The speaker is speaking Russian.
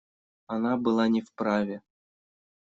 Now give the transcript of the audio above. Она была не вправе.